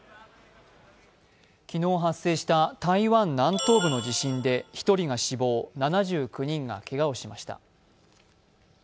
昨日発生した台湾南東部の地震で１人が死亡、７９人がけがをしました。